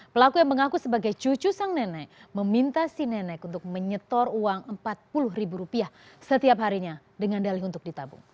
pelaku yang mengaku sebagai cucu sang nenek meminta si nenek untuk menyetor uang rp empat puluh ribu rupiah setiap harinya dengan dalih untuk ditabung